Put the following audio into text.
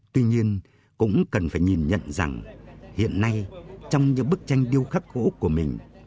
tuy nhiên cũng cần phải nhìn nhận rằng hiện nay trong những bức tranh điêu khắc gỗ của mình